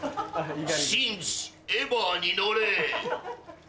シンジエヴァに乗れ。